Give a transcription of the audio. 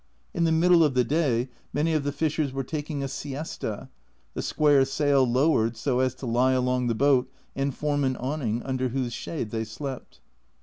In the middle of the day many of the fishers were taking a siesta, the square sail lowered so as to lie along the boat and form an awning, under whose shade they slept.